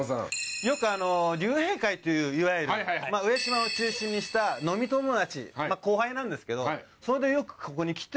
よく竜兵会といういわゆる上島を中心にした飲み友達まぁ後輩なんですけどそれでよくここに来て。